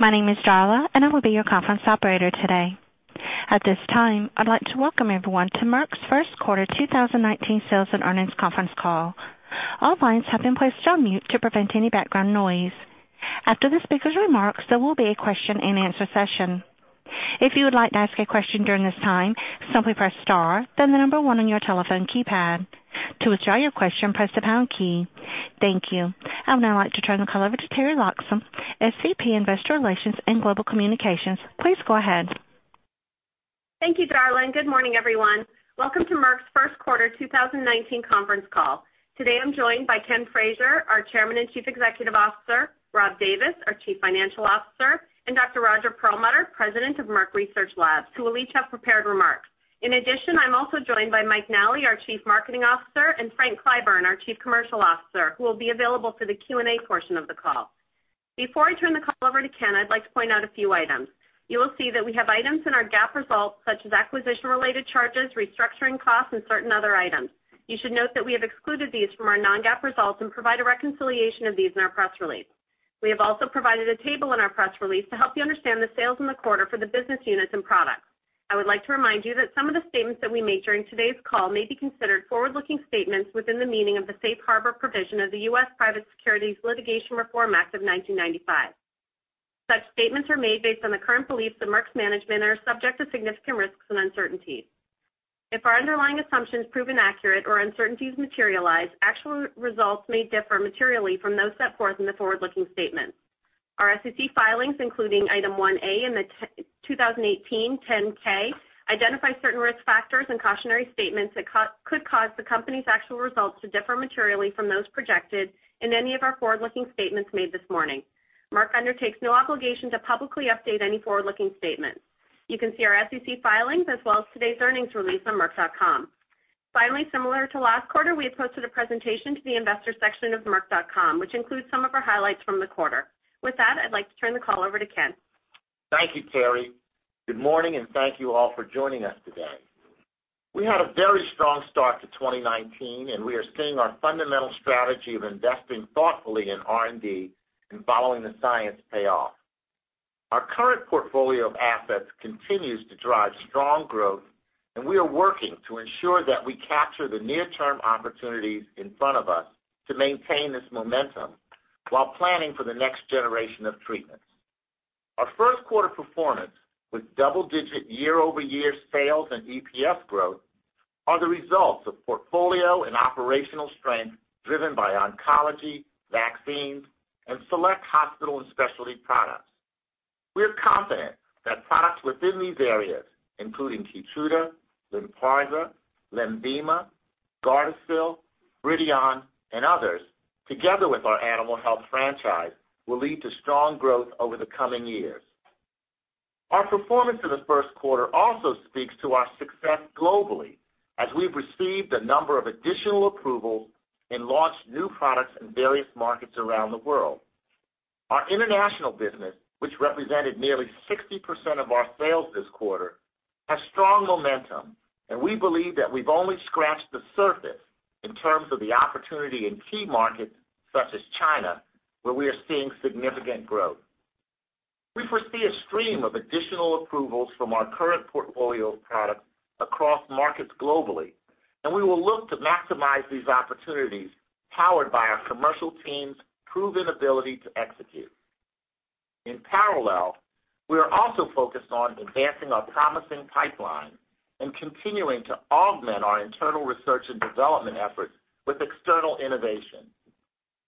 My name is Darla, and I will be your conference operator today. At this time, I'd like to welcome everyone to Merck's first quarter 2019 sales and earnings conference call. All lines have been placed on mute to prevent any background noise. After the speaker's remarks, there will be a question-and-answer session. If you would like to ask a question during this time, simply press star then the number 1 on your telephone keypad. To withdraw your question, press the pound key. Thank you. I would now like to turn the call over to Teri Loxam, SVP, Investor Relations and Global Communications. Please go ahead. Thank you, Darla, and good morning, everyone. Welcome to Merck's first quarter 2019 conference call. Today, I'm joined by Ken Frazier, our Chairman and Chief Executive Officer, Rob Davis, our Chief Financial Officer, and Dr. Roger Perlmutter, President of Merck Research Labs, who will each have prepared remarks. In addition, I'm also joined by Michael Nally, our Chief Marketing Officer, and Frank Clyburn, our Chief Commercial Officer, who will be available for the Q&A portion of the call. Before I turn the call over to Ken, I'd like to point out a few items. You will see that we have items in our GAAP results such as acquisition-related charges, restructuring costs, and certain other items. You should note that we have excluded these from our non-GAAP results and provide a reconciliation of these in our press release. We have also provided a table in our press release to help you understand the sales in the quarter for the business units and products. I would like to remind you that some of the statements that we make during today's call may be considered forward-looking statements within the meaning of the Safe Harbor provision of the U.S. Private Securities Litigation Reform Act of 1995. Such statements are made based on the current beliefs of Merck's management and are subject to significant risks and uncertainties. If our underlying assumptions prove inaccurate or uncertainties materialize, actual results may differ materially from those set forth in the forward-looking statements. Our SEC filings, including Item 1A in the 2018 10-K, identify certain risk factors and cautionary statements that could cause the company's actual results to differ materially from those projected in any of our forward-looking statements made this morning. Merck undertakes no obligation to publicly update any forward-looking statements. You can see our SEC filings as well as today's earnings release on merck.com. Finally, similar to last quarter, we have posted a presentation to the investors section of merck.com, which includes some of our highlights from the quarter. With that, I'd like to turn the call over to Ken. Thank you, Teri. Good morning, and thank you all for joining us today. We had a very strong start to 2019, and we are seeing our fundamental strategy of investing thoughtfully in R&D and following the science pay off. Our current portfolio of assets continues to drive strong growth, and we are working to ensure that we capture the near-term opportunities in front of us to maintain this momentum while planning for the next generation of treatments. Our first quarter performance with double-digit year-over-year sales and EPS growth are the results of portfolio and operational strength driven by oncology, vaccines, and select hospital and specialty products. We are confident that products within these areas, including KEYTRUDA, LYNPARZA, LENVIMA, GARDASIL, BRIDION, and others, together with our animal health franchise, will lead to strong growth over the coming years. Our performance in the first quarter also speaks to our success globally as we've received a number of additional approvals and launched new products in various markets around the world. Our international business, which represented nearly 60% of our sales this quarter, has strong momentum, and we believe that we've only scratched the surface in terms of the opportunity in key markets such as China, where we are seeing significant growth. We foresee a stream of additional approvals from our current portfolio of products across markets globally, and we will look to maximize these opportunities powered by our commercial team's proven ability to execute. In parallel, we are also focused on advancing our promising pipeline and continuing to augment our internal research and development efforts with external innovation.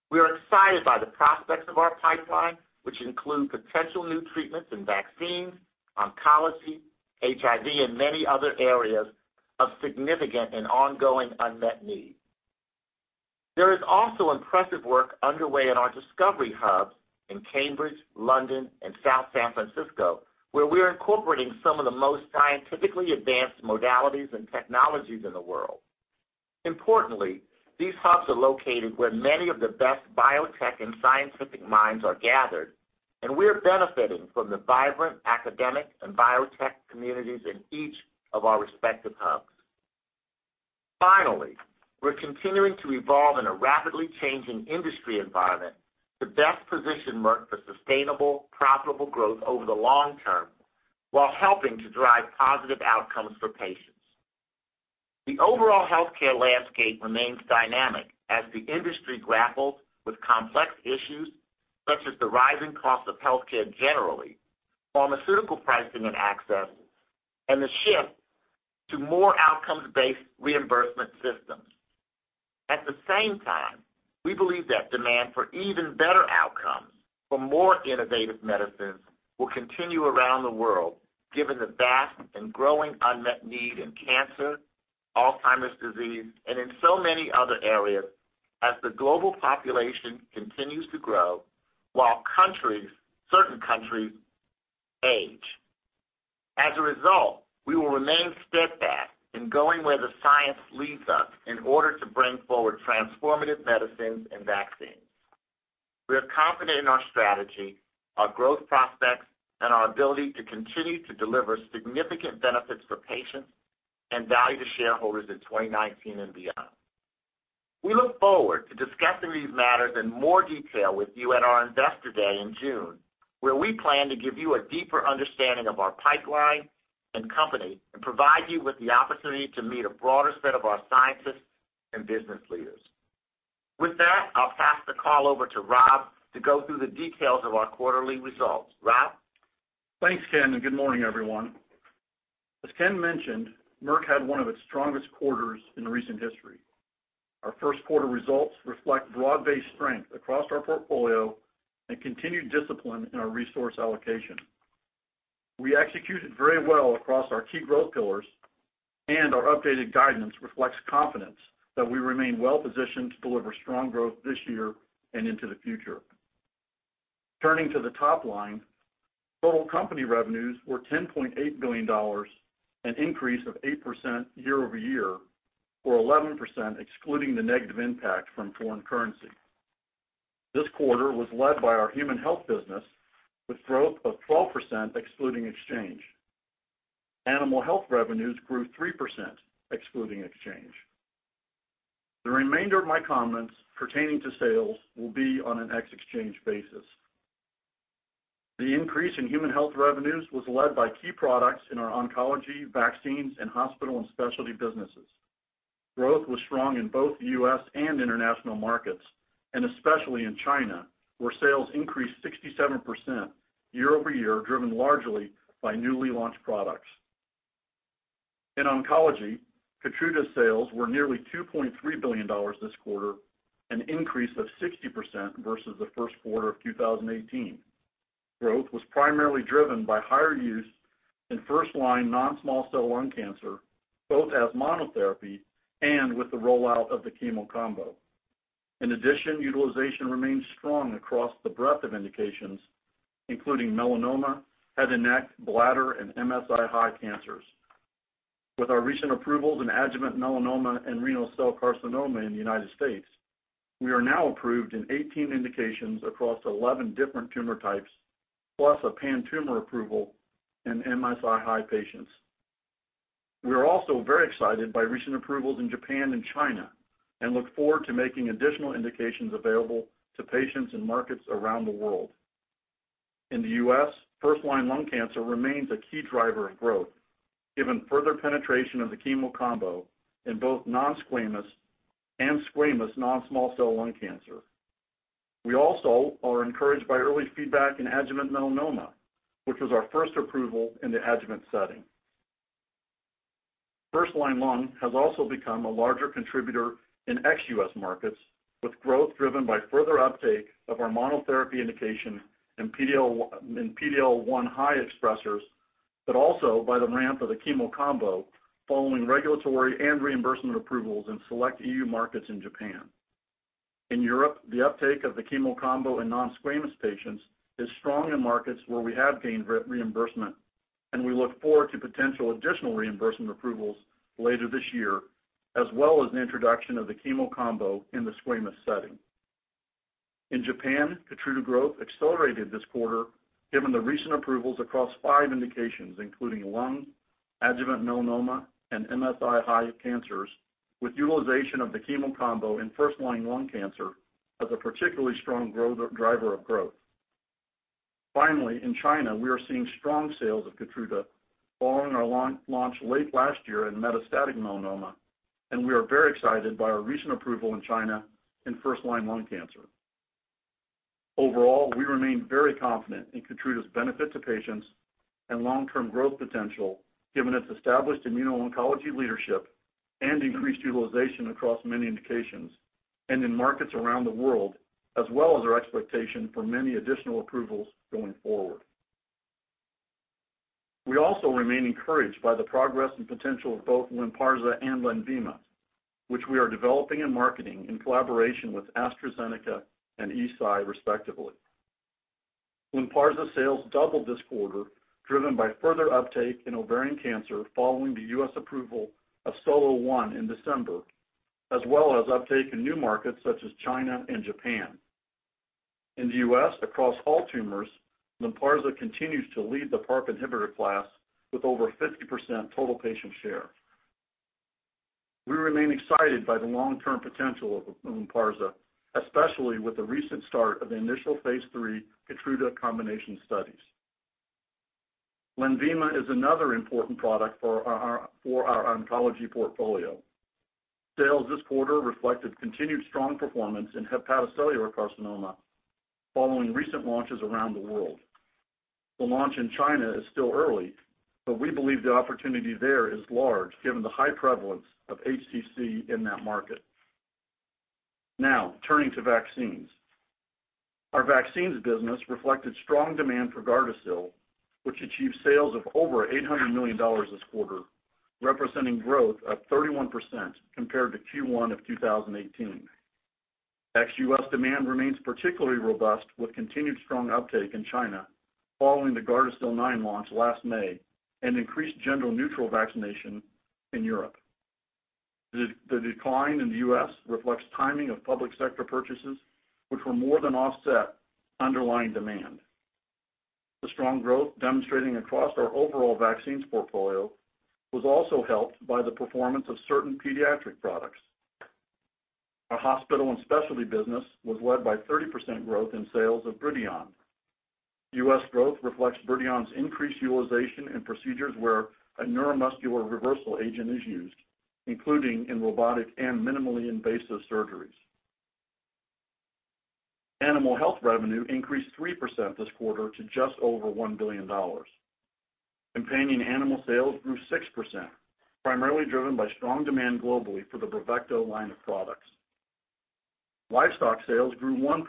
We are excited by the prospects of our pipeline, which include potential new treatments and vaccines, oncology, HIV, and many other areas of significant and ongoing unmet need. There is also impressive work underway in our discovery hubs in Cambridge, London, and South San Francisco, where we're incorporating some of the most scientifically advanced modalities and technologies in the world. Importantly, these hubs are located where many of the best biotech and scientific minds are gathered, and we're benefiting from the vibrant academic and biotech communities in each of our respective hubs. Finally, we're continuing to evolve in a rapidly changing industry environment to best position Merck for sustainable, profitable growth over the long term while helping to drive positive outcomes for patients. The overall healthcare landscape remains dynamic as the industry grapples with complex issues such as the rising cost of healthcare generally, pharmaceutical pricing and access, and the shift to more outcomes-based reimbursement systems. At the same time, we believe that demand for even better outcomes for more innovative medicines will continue around the world, given the vast and growing unmet need in cancer, Alzheimer's disease, and in so many other areas as the global population continues to grow while countries, certain countries age. As a result, we will remain steadfast in going where the science leads us in order to bring forward transformative medicines and vaccines. We are confident in our strategy, our growth prospects, and our ability to continue to deliver significant benefits for patients and value to shareholders in 2019 and beyond. We look forward to discussing these matters in more detail with you at our Investor Day in June, where we plan to give you a deeper understanding of our pipeline and company, and provide you with the opportunity to meet a broader set of our scientists and business leaders. With that, I'll pass the call over to Rob to go through the details of our quarterly results. Rob? Thanks, Ken. Good morning, everyone. As Ken mentioned, Merck had one of its strongest quarters in recent history. Our first quarter results reflect broad-based strength across our portfolio and continued discipline in our resource allocation. We executed very well across our key growth pillars. Our updated guidance reflects confidence that we remain well-positioned to deliver strong growth this year and into the future. Turning to the top line, total company revenues were $10.8 billion, an increase of 8% year-over-year, or 11% excluding the negative impact from foreign currency. This quarter was led by our human health business, with growth of 12% excluding exchange. Animal health revenues grew 3% excluding exchange. The remainder of my comments pertaining to sales will be on an ex-exchange basis. The increase in human health revenues was led by key products in our oncology, vaccines, and hospital and specialty businesses. Growth was strong in both U.S. and international markets. Especially in China, sales increased 67% year-over-year, driven largely by newly launched products. In oncology, KEYTRUDA sales were nearly $2.3 billion this quarter, an increase of 60% versus the first quarter of 2018. Growth was primarily driven by higher use in first-line non-small cell lung cancer, both as monotherapy and with the rollout of the chemo combo. In addition, utilization remains strong across the breadth of indications, including melanoma, head and neck, bladder, and MSI-high cancers. With our recent approvals in adjuvant melanoma and renal cell carcinoma in the United States, we are now approved in 18 indications across 11 different tumor types, plus a pan-tumor approval in MSI-high patients. We are also very excited by recent approvals in Japan and China. We look forward to making additional indications available to patients in markets around the world. In the U.S., first-line lung cancer remains a key driver of growth, given further penetration of the chemo combo in both non-squamous and squamous non-small cell lung cancer. We also are encouraged by early feedback in adjuvant melanoma, which was our first approval in the adjuvant setting. First-line lung has also become a larger contributor in ex-U.S. markets, with growth driven by further uptake of our monotherapy indication in PD-L1 high expressers, but also by the ramp of the chemo combo following regulatory and reimbursement approvals in select EU markets in Japan. In Europe, the uptake of the chemo combo in non-squamous patients is strong in markets where we have gained reimbursement. We look forward to potential additional reimbursement approvals later this year, as well as an introduction of the chemo combo in the squamous setting. In Japan, KEYTRUDA growth accelerated this quarter given the recent approvals across five indications, including lung, adjuvant melanoma, and MSI-high cancers, with utilization of the chemo combo in first-line lung cancer as a particularly strong driver of growth. In China, we are seeing strong sales of KEYTRUDA following our launch late last year in metastatic melanoma, and we are very excited by our recent approval in China in first-line lung cancer. Overall, we remain very confident in KEYTRUDA's benefit to patients and long-term growth potential, given its established immuno-oncology leadership and increased utilization across many indications and in markets around the world, as well as our expectation for many additional approvals going forward. We also remain encouraged by the progress and potential of both LYNPARZA and LENVIMA, which we are developing and marketing in collaboration with AstraZeneca and Eisai, respectively. LYNPARZA sales doubled this quarter, driven by further uptake in ovarian cancer following the U.S. approval of SOLO-1 in December, as well as uptake in new markets such as China and Japan. In the U.S., across all tumors, LYNPARZA continues to lead the PARP inhibitor class with over 50% total patient share. We remain excited by the long-term potential of LYNPARZA, especially with the recent start of the initial phase III KEYTRUDA combination studies. LENVIMA is another important product for our oncology portfolio. Sales this quarter reflected continued strong performance in hepatocellular carcinoma following recent launches around the world. The launch in China is still early, but we believe the opportunity there is large given the high prevalence of HCC in that market. Turning to vaccines. Our vaccines business reflected strong demand for GARDASIL, which achieved sales of over $800 million this quarter, representing growth of 31% compared to Q1 of 2018. Ex-U.S. demand remains particularly robust with continued strong uptake in China following the GARDASIL 9 launch last May and increased gender-neutral vaccination in Europe. The decline in the U.S. reflects timing of public sector purchases, which were more than offset underlying demand. The strong growth demonstrating across our overall vaccines portfolio was also helped by the performance of certain pediatric products. Our hospital and specialty business was led by 30% growth in sales of BRIDION. U.S. growth reflects BRIDION's increased utilization in procedures where a neuromuscular reversal agent is used, including in robotic and minimally invasive surgeries. Animal health revenue increased 3% this quarter to just over $1 billion. Companion animal sales grew 6%, primarily driven by strong demand globally for the BRAVECTO line of products. Livestock sales grew 1%,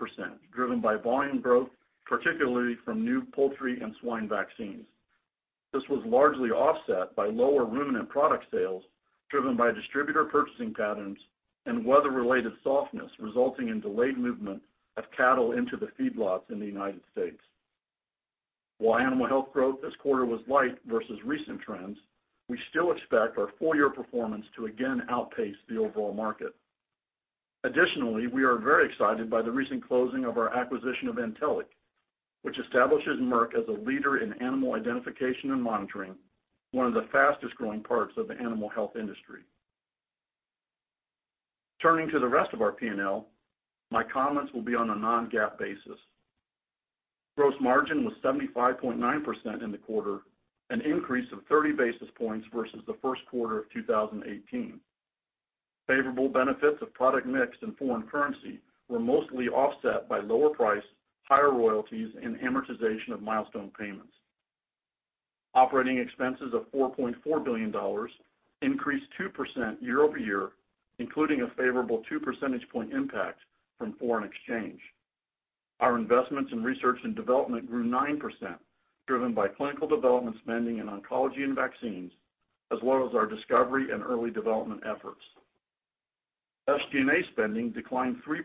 driven by volume growth, particularly from new poultry and swine vaccines. This was largely offset by lower ruminant product sales, driven by distributor purchasing patterns and weather-related softness resulting in delayed movement of cattle into the feedlots in the United States. Animal health growth this quarter was light versus recent trends, we still expect our full-year performance to again outpace the overall market. Additionally, we are very excited by the recent closing of our acquisition of Antelliq, which establishes Merck as a leader in animal identification and monitoring, one of the fastest-growing parts of the animal health industry. Turning to the rest of our P&L, my comments will be on a non-GAAP basis. Gross margin was 75.9% in the quarter, an increase of 30 basis points versus the first quarter of 2018. Favorable benefits of product mix and foreign currency were mostly offset by lower price, higher royalties, and amortization of milestone payments. Operating expenses of $4.4 billion increased 2% year-over-year, including a favorable two percentage point impact from foreign exchange. Our investments in R&D grew 9%, driven by clinical development spending in oncology and vaccines, as well as our discovery and early development efforts. SG&A spending declined 3%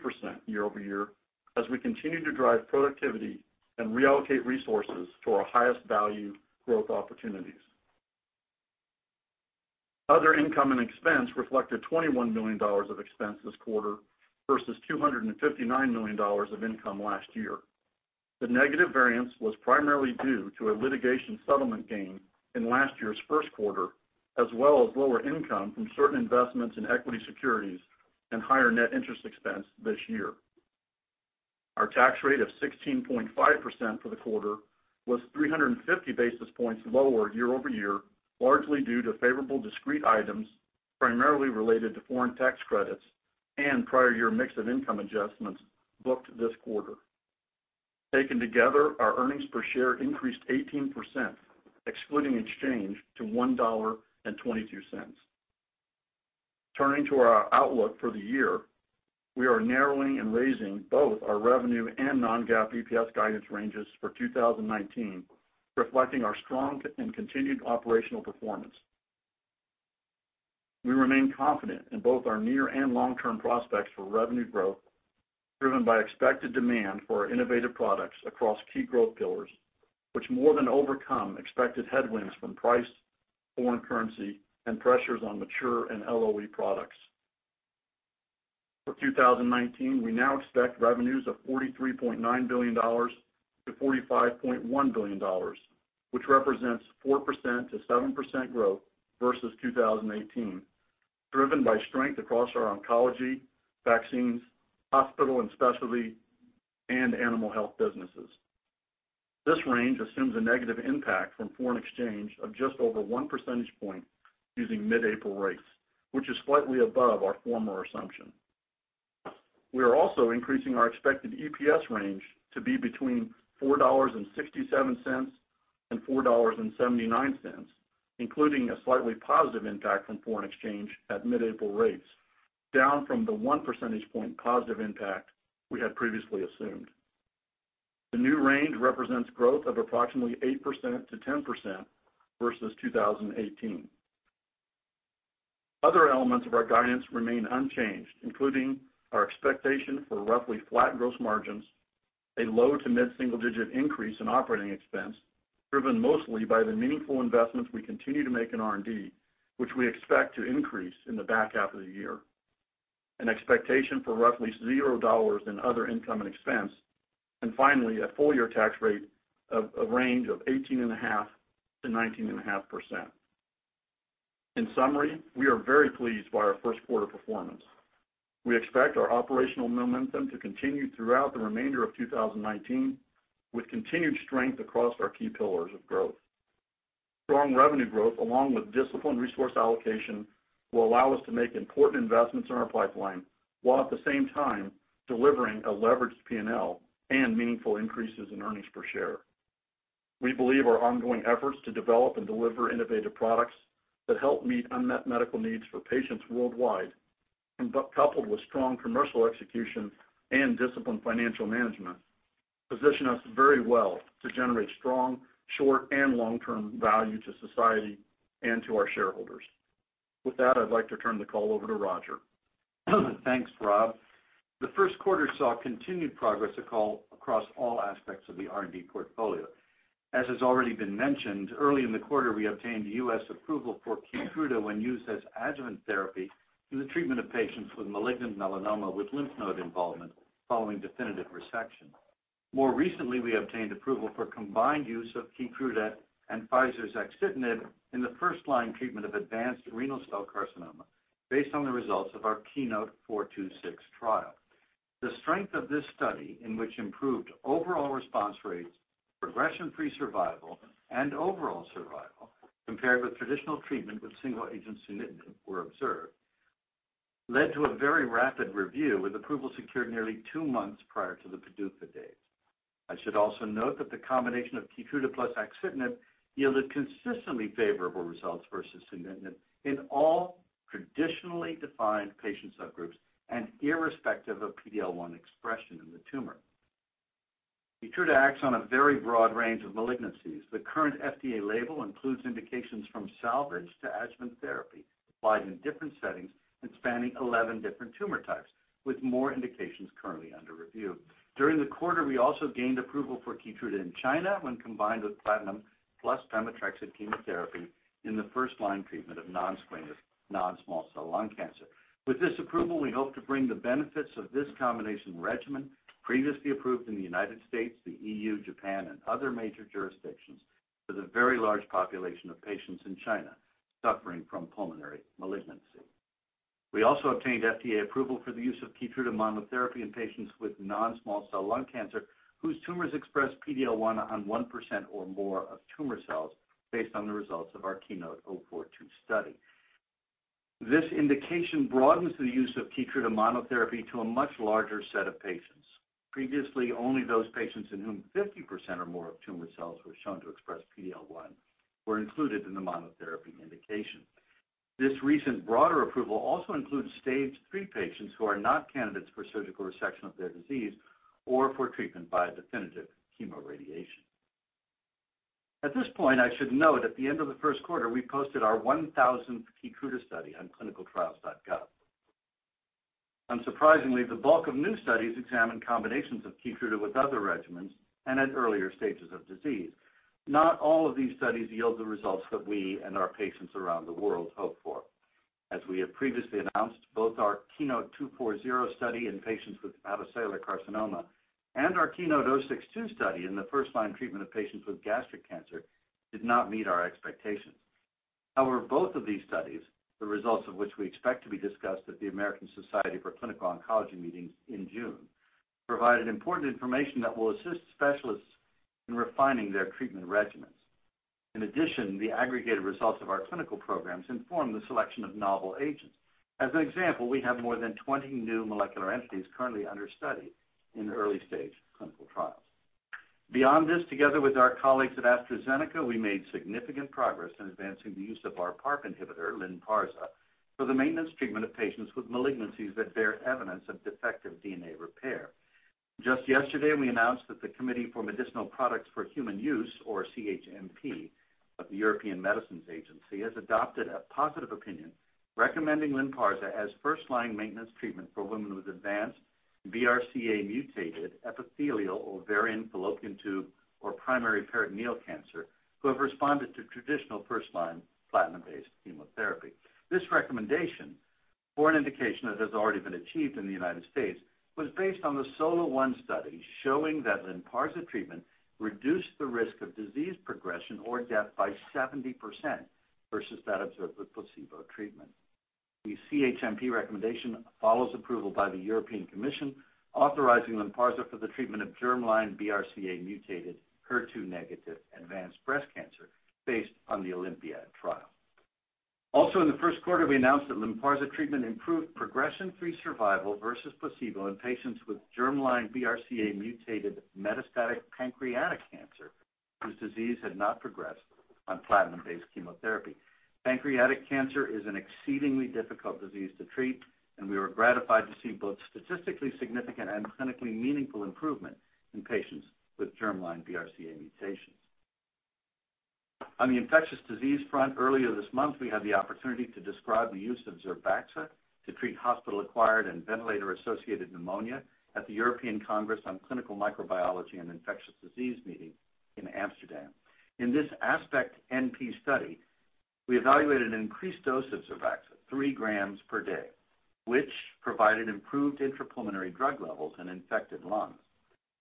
year-over-year as we continue to drive productivity and reallocate resources to our highest value growth opportunities. Other income and expense reflected $21 million of expense this quarter versus $259 million of income last year. The negative variance was primarily due to a litigation settlement gain in last year's first quarter, as well as lower income from certain investments in equity securities and higher net interest expense this year. Our tax rate of 16.5% for the quarter was 350 basis points lower year-over-year, largely due to favorable discrete items, primarily related to foreign tax credits and prior year mix of income adjustments booked this quarter. Taken together, our earnings per share increased 18%, excluding exchange, to $1.22. Turning to our outlook for the year, we are narrowing and raising both our revenue and non-GAAP EPS guidance ranges for 2019, reflecting our strong and continued operational performance. We remain confident in both our near and long-term prospects for revenue growth, driven by expected demand for our innovative products across key growth pillars, which more than overcome expected headwinds from price, foreign currency, and pressures on mature and LOE products. For 2019, we now expect revenues of $43.9 billion to $45.1 billion, which represents 4%-7% growth versus 2018, driven by strength across our oncology, vaccines, hospital and specialty, and animal health businesses. This range assumes a negative impact from foreign exchange of just over one percentage point using mid-April rates, which is slightly above our former assumption. We are also increasing our expected EPS range to be between $4.67 and $4.79, including a slightly positive impact from foreign exchange at mid-April rates, down from the one percentage point positive impact we had previously assumed. The new range represents growth of approximately 8%-10% versus 2018. Other elements of our guidance remain unchanged, including our expectation for roughly flat gross margins, a low to mid-single-digit increase in operating expense, driven mostly by the meaningful investments we continue to make in R&D, which we expect to increase in the back half of the year, an expectation for roughly $0 in other income and expense, and finally, a full-year tax rate of a range of 18.5%-19.5%. In summary, we are very pleased by our first quarter performance. We expect our operational momentum to continue throughout the remainder of 2019 with continued strength across our key pillars of growth. Strong revenue growth, along with disciplined resource allocation, will allow us to make important investments in our pipeline, while at the same time delivering a leveraged P&L and meaningful increases in earnings per share. We believe our ongoing efforts to develop and deliver innovative products that help meet unmet medical needs for patients worldwide, coupled with strong commercial execution and disciplined financial management, position us very well to generate strong short and long-term value to society and to our shareholders. With that, I'd like to turn the call over to Roger. Thanks, Rob. The first quarter saw continued progress across all aspects of the R&D portfolio. As has already been mentioned, early in the quarter, we obtained U.S. approval for KEYTRUDA when used as adjuvant therapy in the treatment of patients with malignant melanoma with lymph node involvement following definitive resection. More recently, we obtained approval for combined use of KEYTRUDA and Pfizer's axitinib in the first-line treatment of advanced renal cell carcinoma based on the results of our KEYNOTE-426 trial. The strength of this study, in which improved overall response rates, progression-free survival, and overall survival compared with traditional treatment with single-agent sunitinib were observed, led to a very rapid review, with approval secured nearly two months prior to the PDUFA date. I should also note that the combination of KEYTRUDA plus axitinib yielded consistently favorable results versus sunitinib in all traditionally defined patient subgroups and irrespective of PD-L1 expression in the tumor. KEYTRUDA acts on a very broad range of malignancies. The current FDA label includes indications from salvage to adjuvant therapy applied in different settings and spanning 11 different tumor types, with more indications currently under review. During the quarter, we also gained approval for KEYTRUDA in China when combined with platinum plus pemetrexed chemotherapy in the first-line treatment of non-squamous non-small cell lung cancer. With this approval, we hope to bring the benefits of this combination regimen, previously approved in the United States, the EU, Japan, and other major jurisdictions, to the very large population of patients in China suffering from pulmonary malignancy. We also obtained FDA approval for the use of KEYTRUDA monotherapy in patients with non-small cell lung cancer whose tumors express PD-L1 on 1% or more of tumor cells based on the results of our KEYNOTE-042 study. This indication broadens the use of KEYTRUDA monotherapy to a much larger set of patients. Previously, only those patients in whom 50% or more of tumor cells were shown to express PD-L1 were included in the monotherapy indication. This recent broader approval also includes stage 3 patients who are not candidates for surgical resection of their disease or for treatment by definitive chemoradiation. At this point, I should note at the end of the first quarter, we posted our 1,000th KEYTRUDA study on clinicaltrials.gov. Unsurprisingly, the bulk of new studies examine combinations of KEYTRUDA with other regimens and at earlier stages of disease. Not all of these studies yield the results that we and our patients around the world hope for. As we have previously announced, both our KEYNOTE-240 study in patients with hepatocellular carcinoma and our KEYNOTE-062 study in the first-line treatment of patients with gastric cancer did not meet our expectations. However, both of these studies, the results of which we expect to be discussed at the American Society of Clinical Oncology meetings in June, provided important information that will assist specialists in refining their treatment regimens. In addition, the aggregated results of our clinical programs inform the selection of novel agents. As an example, we have more than 20 new molecular entities currently under study in early-stage clinical trials. Together with our colleagues at AstraZeneca, we made significant progress in advancing the use of our PARP inhibitor, LYNPARZA, for the maintenance treatment of patients with malignancies that bear evidence of defective DNA repair. Just yesterday, we announced that the Committee for Medicinal Products for Human Use, or CHMP, of the European Medicines Agency, has adopted a positive opinion recommending LYNPARZA as first-line maintenance treatment for women with advanced BRCA-mutated epithelial, ovarian, fallopian tube, or primary peritoneal cancer who have responded to traditional first-line platinum-based chemotherapy. This recommendation for an indication that has already been achieved in the U.S. was based on the SOLO-1 study showing that LYNPARZA treatment reduced the risk of disease progression or death by 70% versus that observed with placebo treatment. The CHMP recommendation follows approval by the European Commission authorizing LYNPARZA for the treatment of germline BRCA-mutated HER2-negative advanced breast cancer based on the OlympiAD trial. In the first quarter, we announced that LYNPARZA treatment improved progression-free survival versus placebo in patients with germline BRCA-mutated metastatic pancreatic cancer whose disease had not progressed on platinum-based chemotherapy. Pancreatic cancer is an exceedingly difficult disease to treat, and we were gratified to see both statistically significant and clinically meaningful improvement in patients with germline BRCA mutations. On the infectious disease front, earlier this month, we had the opportunity to describe the use of ZERBAXA to treat hospital-acquired and ventilator-associated pneumonia at the European Congress of Clinical Microbiology and Infectious Diseases meeting in Amsterdam. In this ASPECT-NP study, we evaluated an increased dose of ZERBAXA, three grams per day, which provided improved intrapulmonary drug levels in infected lungs.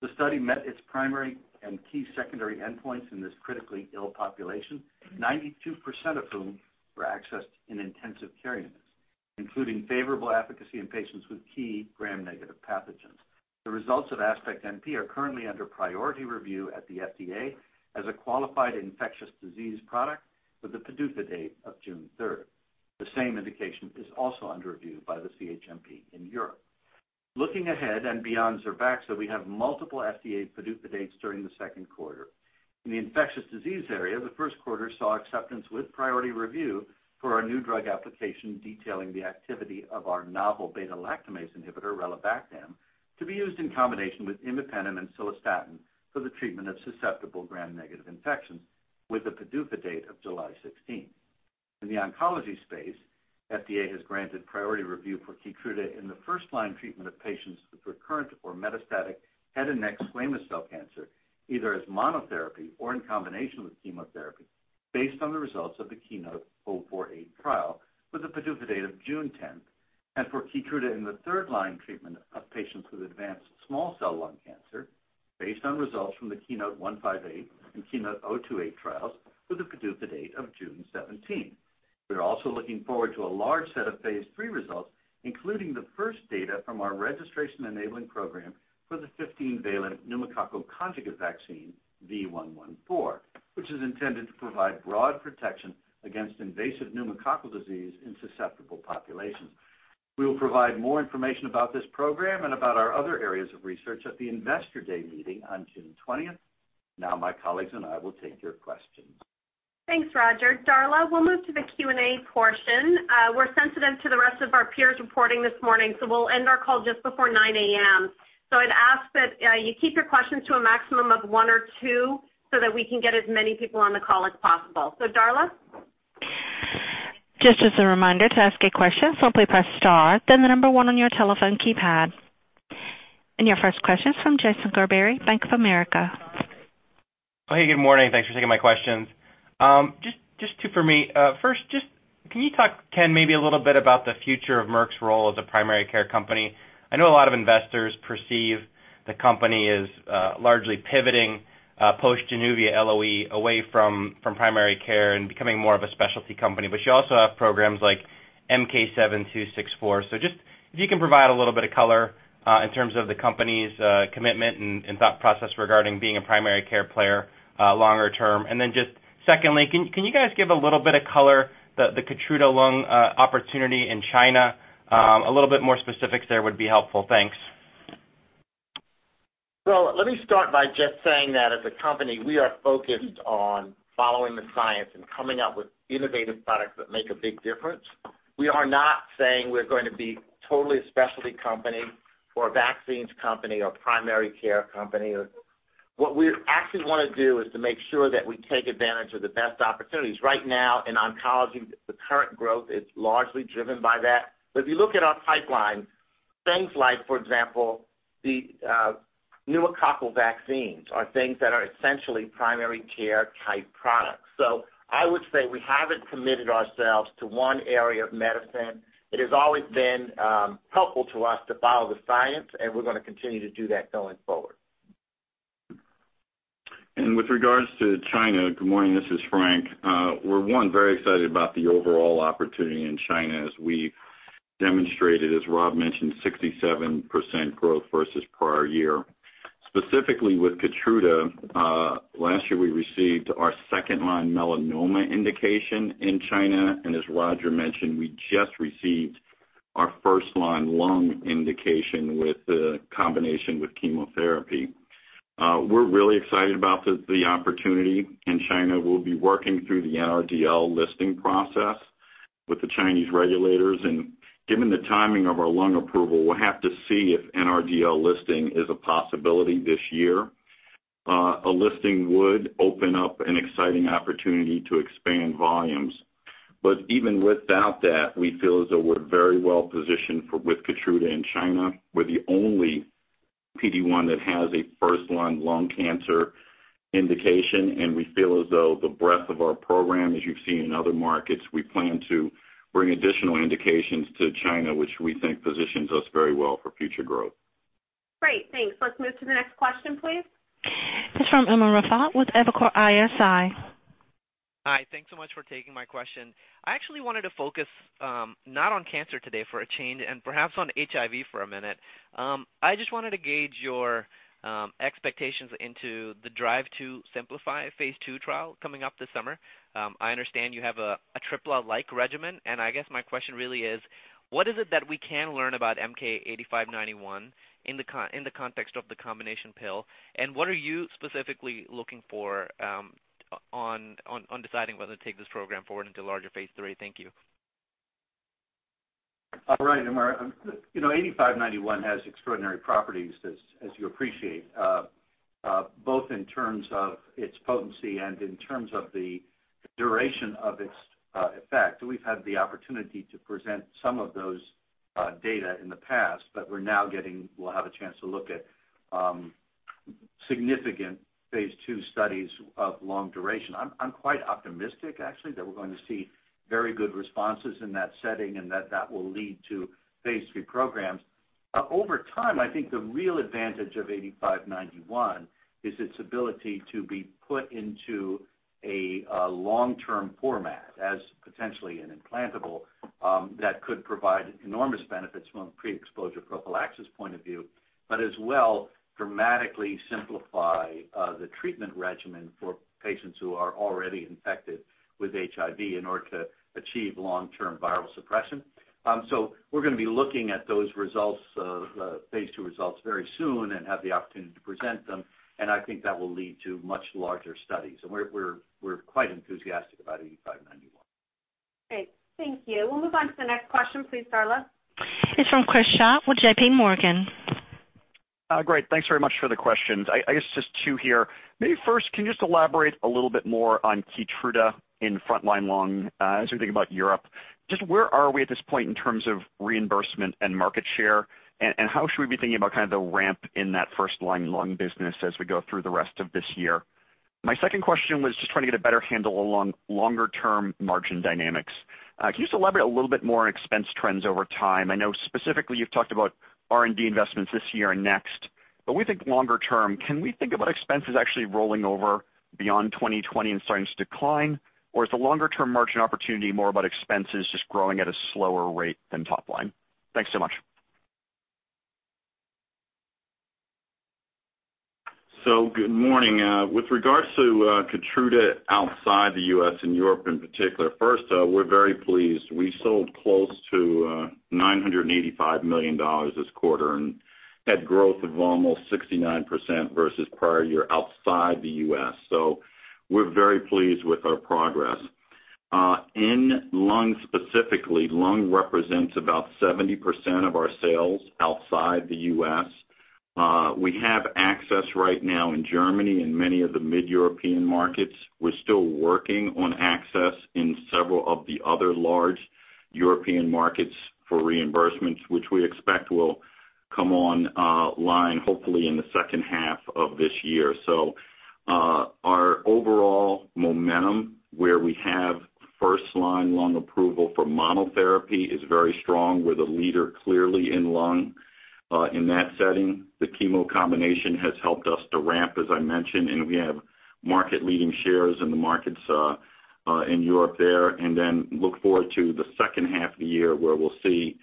The study met its primary and key secondary endpoints in this critically ill population, 92% of whom were accessed in intensive care units, including favorable efficacy in patients with key gram-negative pathogens. The results of ASPECT-NP are currently under priority review at the FDA as a qualified infectious disease product with a PDUFA date of June 3rd. The same indication is also under review by the CHMP in Europe. Looking ahead and beyond ZERBAXA, we have multiple FDA PDUFA dates during the second quarter. In the infectious disease area, the first quarter saw acceptance with priority review for our new drug application detailing the activity of our novel beta-lactamase inhibitor, relebactam, to be used in combination with imipenem and cilastatin for the treatment of susceptible gram-negative infections with a PDUFA date of July 16th. In the oncology space, FDA has granted priority review for KEYTRUDA in the first-line treatment of patients with recurrent or metastatic head and neck squamous cell cancer, either as monotherapy or in combination with chemotherapy. Based on the results of the KEYNOTE-048 trial with a PDUFA date of June 10th, and for KEYTRUDA in the third-line treatment of patients with advanced small cell lung cancer, based on results from the KEYNOTE-158 and KEYNOTE-028 trials, with a PDUFA date of June 17th. We are also looking forward to a large set of phase III results, including the first data from our registration-enabling program for the 15-valent pneumococcal conjugate vaccine, V114, which is intended to provide broad protection against invasive pneumococcal disease in susceptible populations. We will provide more information about this program and about our other areas of research at the Investor Day meeting on June 20th. My colleagues and I will take your questions. Thanks, Roger. Darla, we'll move to the Q&A portion. We're sensitive to the rest of our peers reporting this morning, we'll end our call just before 9:00 A.M. I'd ask that you keep your questions to a maximum of one or two so that we can get as many people on the call as possible. Darla? Just as a reminder, to ask a question, simply press star, then the number one on your telephone keypad. Your first question is from Jason Gerberry, Bank of America. Good morning. Thanks for taking my questions. Just two for me. First, can you talk, Ken, maybe a little bit about the future of Merck's role as a primary care company? I know a lot of investors perceive the company is largely pivoting post-JANUVIA LOE away from primary care and becoming more of a specialty company, but you also have programs like MK-7264. Just if you can provide a little bit of color in terms of the company's commitment and thought process regarding being a primary care player longer term. Secondly, can you guys give a little bit of color, the KEYTRUDA lung opportunity in China? A little bit more specifics there would be helpful. Thanks. Let me start by just saying that as a company, we are focused on following the science and coming up with innovative products that make a big difference. We are not saying we're going to be totally a specialty company or a vaccines company or primary care company. What we actually want to do is to make sure that we take advantage of the best opportunities. Right now in oncology, the current growth is largely driven by that. If you look at our pipeline, things like, for example, the pneumococcal vaccines are things that are essentially primary care-type products. I would say we haven't committed ourselves to one area of medicine. It has always been helpful to us to follow the science, and we're going to continue to do that going forward. With regards to China, good morning, this is Frank. We're, one, very excited about the overall opportunity in China as we've demonstrated, as Rob mentioned, 67% growth versus prior year. Specifically with KEYTRUDA, last year we received our second-line melanoma indication in China, and as Roger mentioned, we just received our first-line lung indication with the combination with chemotherapy. We're really excited about the opportunity in China. We'll be working through the NRDL listing process with the Chinese regulators, and given the timing of our lung approval, we'll have to see if NRDL listing is a possibility this year. A listing would open up an exciting opportunity to expand volumes. Even without that, we feel as though we're very well-positioned with KEYTRUDA in China. We're the only PD-1 that has a first-line lung cancer indication, and we feel as though the breadth of our program, as you've seen in other markets, we plan to bring additional indications to China, which we think positions us very well for future growth. Great. Thanks. Let's move to the next question, please. It's from Umer Raffat with Evercore ISI. Hi. Thanks so much for taking my question. I actually wanted to focus, not on cancer today for a change. Perhaps on HIV for a minute. I just wanted to gauge your expectations into the DRIVE-2 SIMPLIFY phase II trial coming up this summer. I understand you have a Atripla-like regimen. I guess my question really is, what is it that we can learn about MK-8591 in the context of the combination pill? What are you specifically looking for on deciding whether to take this program forward into larger phase III? Thank you. All right, Umer. 8591 has extraordinary properties, as you appreciate, both in terms of its potency and in terms of the duration of its effect. We'll have a chance to look at significant phase II studies of long duration. I'm quite optimistic, actually, that we're going to see very good responses in that setting. That that will lead to phase III programs. Over time, I think the real advantage of 8591 is its ability to be put into a long-term format as potentially an implantable that could provide enormous benefits from a pre-exposure prophylaxis point of view. As well dramatically simplify the treatment regimen for patients who are already infected with HIV in order to achieve long-term viral suppression. We're going to be looking at those phase II results very soon and have the opportunity to present them, and I think that will lead to much larger studies, and we're quite enthusiastic about MK-8591. Great. Thank you. We'll move on to the next question, please, Darla. It's from Chris Schott with J.P. Morgan. Great. Thanks very much for the questions. I guess just two here. Maybe first, can you just elaborate a little bit more on KEYTRUDA in frontline lung as we think about Europe? Just where are we at this point in terms of reimbursement and market share, and how should we be thinking about kind of the ramp in that first-line lung business as we go through the rest of this year? My second question was just trying to get a better handle along longer-term margin dynamics. Can you elaborate a little bit more on expense trends over time? I know specifically you've talked about R&D investments this year and next, but we think longer term. Can we think about expenses actually rolling over beyond 2020 and starting to decline? Or is the longer-term margin opportunity more about expenses just growing at a slower rate than top line? Thanks so much. Good morning. With regards to KEYTRUDA outside the U.S. and Europe in particular, first, we're very pleased. We sold close to $985 million this quarter and had growth of almost 69% versus prior year outside the U.S. We're very pleased with our progress. In lung, specifically, lung represents about 70% of our sales outside the U.S. We have access right now in Germany and many of the mid-European markets. We're still working on access in several of the other large European markets for reimbursements, which we expect will come online hopefully in the second half of this year. Our overall momentum, where we have first-line lung approval for monotherapy, is very strong. We're the leader clearly in lung. In that setting, the chemo combination has helped us to ramp, as I mentioned, and we have market-leading shares in the markets in Europe there. Look forward to the second half of the year where we'll see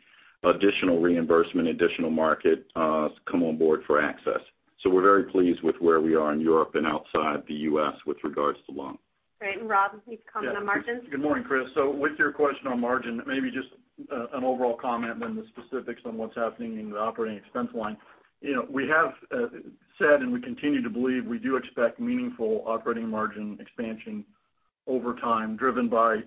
additional reimbursement, additional markets come on board for access. We're very pleased with where we are in Europe and outside the U.S. with regards to lung. Great. Rob, can you comment on margins? Good morning, Chris. With your question on margin, maybe just an overall comment then the specifics on what's happening in the operating expense line. We have said, and we continue to believe, we do expect meaningful operating margin expansion over time, driven by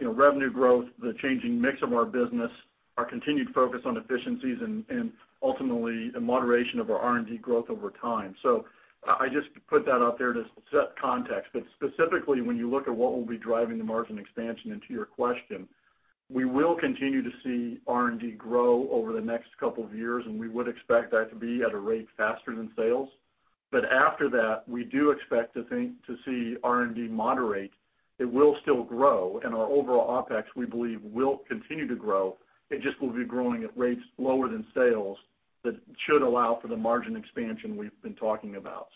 revenue growth, the changing mix of our business, our continued focus on efficiencies, and ultimately a moderation of our R&D growth over time. I just put that out there to set context. Specifically, when you look at what will be driving the margin expansion and to your question, we will continue to see R&D grow over the next couple of years, and we would expect that to be at a rate faster than sales. After that, we do expect to see R&D moderate. It will still grow, and our overall OpEx, we believe, will continue to grow. It just will be growing at rates lower than sales that should allow for the margin expansion we've been talking about.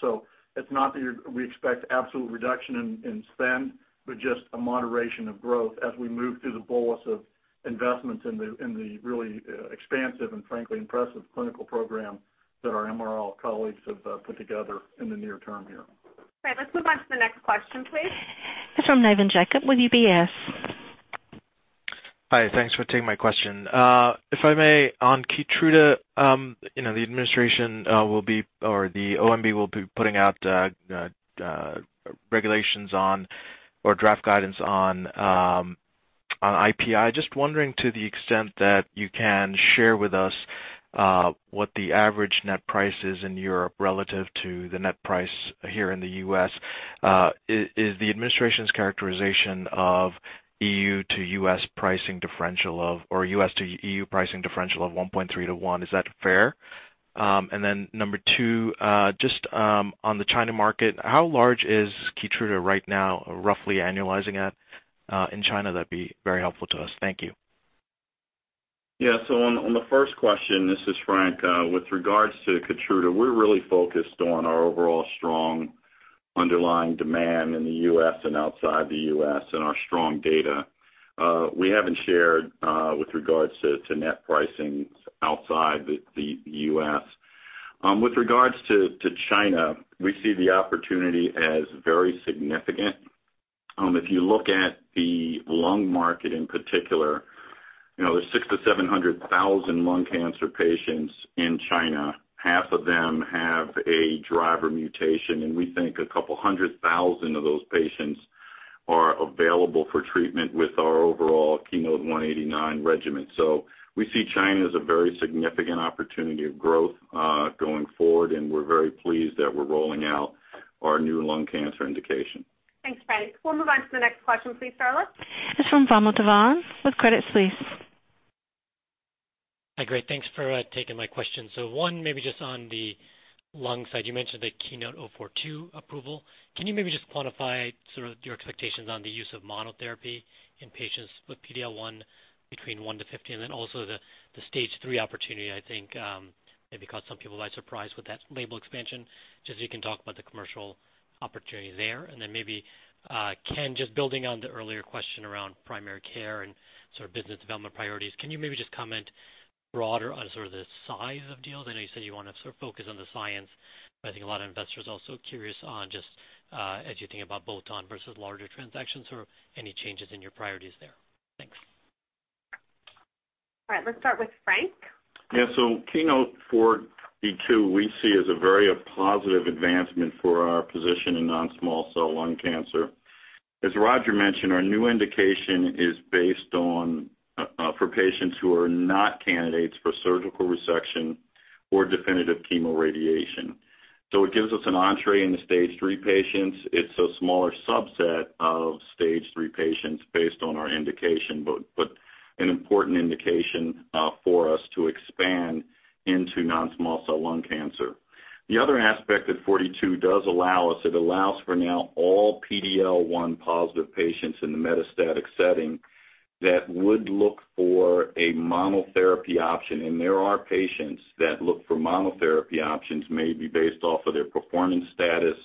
It's not that we expect absolute reduction in spend, but just a moderation of growth as we move through the bolus of investments in the really expansive and frankly impressive clinical program that our MRL colleagues have put together in the near term here. Great. Let's move on to the next question, please. This is from Navin Jacob with UBS. Hi. Thanks for taking my question. If I may, on KEYTRUDA, the administration will be, or the OMB will be putting out regulations on or draft guidance on IPI. Just wondering to the extent that you can share with us what the average net price is in Europe relative to the net price here in the U.S. Is the administration's characterization of EU to U.S. pricing differential of, or U.S. to EU pricing differential of 1.3 to 1, is that fair? Number 2, just on the China market, how large is KEYTRUDA right now roughly annualizing at in China? That would be very helpful to us. Thank you. On the first question, this is Frank. With regards to KEYTRUDA, we're really focused on our overall strong underlying demand in the U.S. and outside the U.S. and our strong data. We haven't shared with regards to net pricing outside the U.S. With regards to China, we see the opportunity as very significant. If you look at the lung market in particular, there's 600,000-700,000 lung cancer patients in China. Half of them have a driver mutation, and we think a couple of 100,000 of those patients are available for treatment with our overall KEYNOTE-189 regimen. We see China as a very significant opportunity of growth going forward, and we're very pleased that we're rolling out our new lung cancer indication. Thanks, Frank. We'll move on to the next question, please, operator. This is from Vamil Divan with Credit Suisse. Hi. Great. Thanks for taking my question. One, maybe just on the lung side, you mentioned the KEYNOTE-042 approval. Can you maybe just quantify sort of your expectations on the use of monotherapy in patients with PD-L1 between 1-50? Also the stage III opportunity, I think, maybe caught some people by surprise with that label expansion. Just if you can talk about the commercial opportunity there. Maybe, Ken, just building on the earlier question around primary care and sort of business development priorities, can you maybe just comment broader on sort of the size of deals? I know you said you want to sort of focus on the science, but I think a lot of investors are also curious on just as you think about bolt-on versus larger transactions or any changes in your priorities there. Thanks. All right. Let's start with Frank. Yeah. KEYNOTE-042 we see as a very positive advancement for our position in non-small cell lung cancer. As Roger mentioned, our new indication is based on for patients who are not candidates for surgical resection or definitive chemoradiation. It gives us an entree into stage III patients. It's a smaller subset of stage III patients based on our indication, an important indication for us to expand into non-small cell lung cancer. The other aspect that 42 does allow us, it allows for now all PD-L1 positive patients in the metastatic setting that would look for a monotherapy option, there are patients that look for monotherapy options maybe based off of their performance status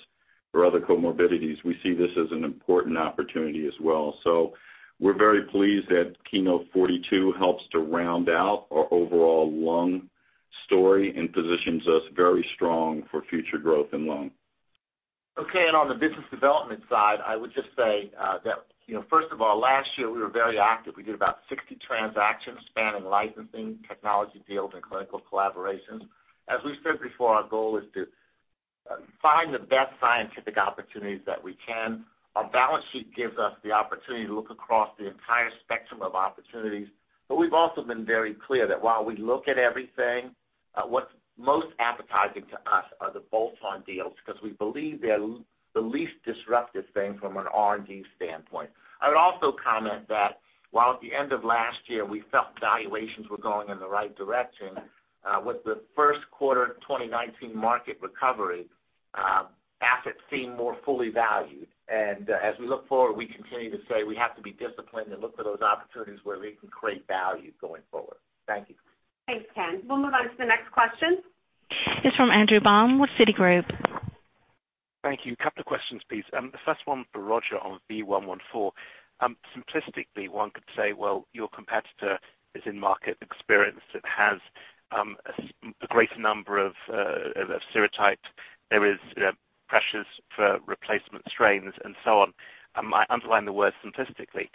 or other comorbidities. We see this as an important opportunity as well. We're very pleased that KEYNOTE-042 helps to round out our overall lung story and positions us very strong for future growth in lung. Okay, on the business development side, I would just say that, first of all, last year we were very active. We did about 60 transactions spanning licensing, technology deals, and clinical collaborations. As we've said before, our goal is to find the best scientific opportunities that we can. Our balance sheet gives us the opportunity to look across the entire spectrum of opportunities. We've also been very clear that while we look at everything, what's most appetizing to us are the bolt-on deals because we believe they're the least disruptive thing from an R&D standpoint. I would also comment that while at the end of last year, we felt valuations were going in the right direction, with the first quarter 2019 market recovery, assets seem more fully valued. As we look forward, we continue to say we have to be disciplined and look for those opportunities where we can create value going forward. Thank you. Thanks, Ken. We'll move on to the next question. It's from Andrew Baum with Citigroup. Thank you. A couple of questions, please. The first one for Roger on V114. Simplistically, one could say, well, your competitor is in market experience. It has a greater number of serotypes. There is pressures for replacement strains and so on. I underline the word simplistically,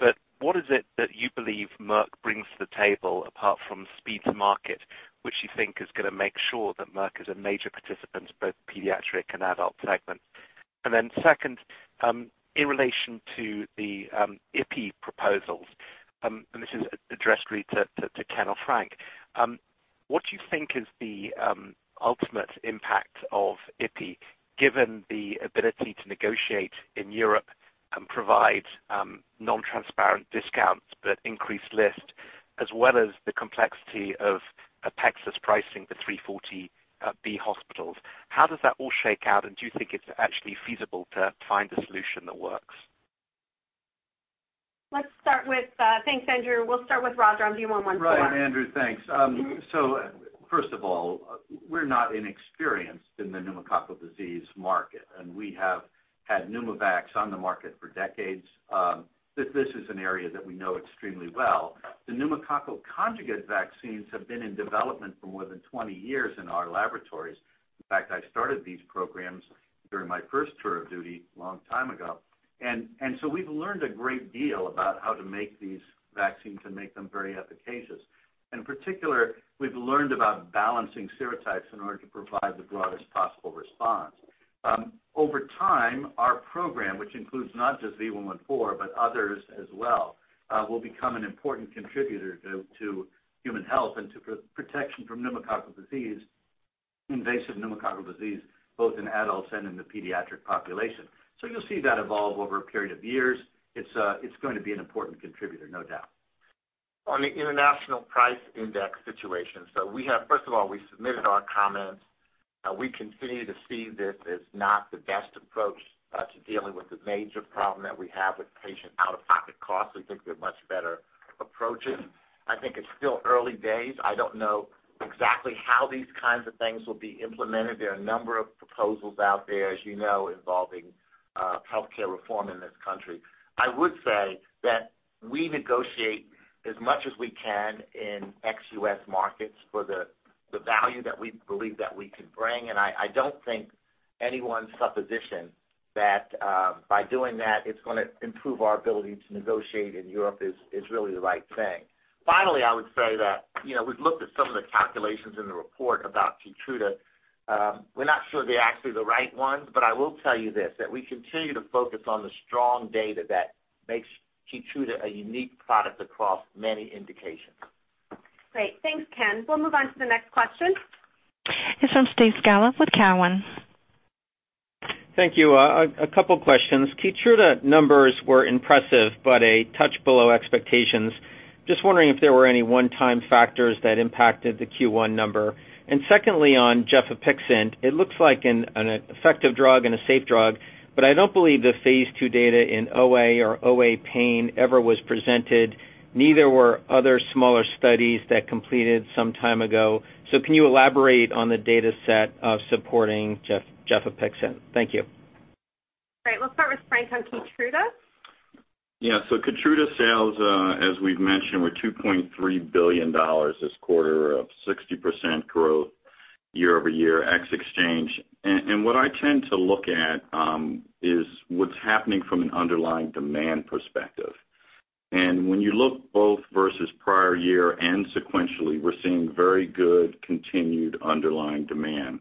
but what is it that you believe Merck brings to the table apart from speed to market, which you think is going to make sure that Merck is a major participant in both pediatric and adult segments? Then second, in relation to the IPI proposals, and this is addressed really to Ken or Frank, what do you think is the ultimate impact of IPI, given the ability to negotiate in Europe and provide non-transparent discounts but increased list, as well as the complexity of Apexus pricing for 340B hospitals? How does that all shake out, and do you think it's actually feasible to find a solution that works? Thanks, Andrew. We'll start with Roger on V114. Right, Andrew, thanks. First of all, we're not inexperienced in the pneumococcal disease market, and we have had PNEUMOVAX on the market for decades. This is an area that we know extremely well. The pneumococcal conjugate vaccines have been in development for more than 20 years in our laboratories. In fact, I started these programs during my first tour of duty a long time ago. We've learned a great deal about how to make these vaccines and make them very efficacious. In particular, we've learned about balancing serotypes in order to provide the broadest possible response. Over time, our program, which includes not just V114, but others as well, will become an important contributor to human health and to protection from pneumococcal disease, invasive pneumococcal disease, both in adults and in the pediatric population. You'll see that evolve over a period of years. It's going to be an important contributor, no doubt. On the international price index situation, First of all, we submitted our comments. We continue to see this as not the best approach to dealing with the major problem that we have with patient out-of-pocket costs. We think there are much better approaches. I think it's still early days. I don't know exactly how these kinds of things will be implemented. There are a number of proposals out there, as you know, involving healthcare reform in this country. I would say that we negotiate as much as we can in ex-U.S. markets for the value that we believe that we can bring. I don't think anyone's supposition that by doing that, it's going to improve our ability to negotiate in Europe is really the right thing. Finally, I would say that we've looked at some of the calculations in the report about KEYTRUDA. We're not sure they're actually the right ones, but I will tell you this, that we continue to focus on the strong data that makes KEYTRUDA a unique product across many indications. Great. Thanks, Ken. We'll move on to the next question. It's from Steve Scala with Cowen. Thank you. A couple questions. KEYTRUDA numbers were impressive, but a touch below expectations. Just wondering if there were any one-time factors that impacted the Q1 number. Secondly, on gefapixant, it looks like an effective drug and a safe drug, but I don't believe the phase II data in Osteoarthritis or Osteoarthritis pain ever was presented. Neither were other smaller studies that completed some time ago. Can you elaborate on the data set of supporting gefapixant? Thank you. Great. Let's start with Frank on KEYTRUDA. KEYTRUDA sales, as we've mentioned, were $2.3 billion this quarter, up 60% growth year-over-year, ex exchange. What I tend to look at is what's happening from an underlying demand perspective. When you look both versus prior year and sequentially, we're seeing very good continued underlying demand.